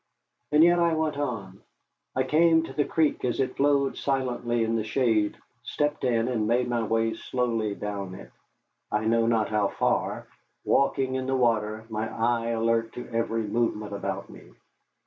And yet I went on. I came to the creek as it flowed silently in the shade, stepped in, and made my way slowly down it, I know not how far, walking in the water, my eye alert to every movement about me.